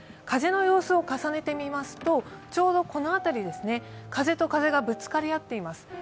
風の様子を重ねてみますと、ちょうどこの辺り、風と風がぶつかり合っています。